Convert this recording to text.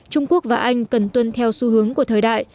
trung quốc và anh cần tuân theo xu hướng của thời đại